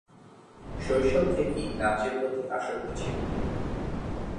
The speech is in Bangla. শৈশব থেকেই নাচের প্রতি আসক্তি ছিল।